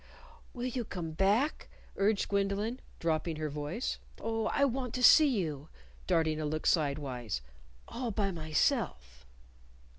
"Will you come back?" urged Gwendolyn, dropping her voice. "Oh, I want to see you" darting a look sidewise "all by myself."